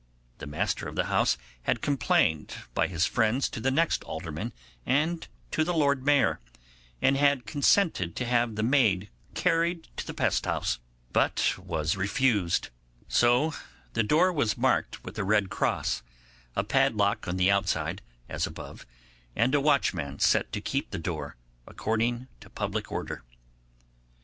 The master of the house had complained by his friends to the next alderman and to the Lord Mayor, and had consented to have the maid carried to the pest house, but was refused; so the door was marked with a red cross, a padlock on the outside, as above, and a watchman set to keep the door, according to public order.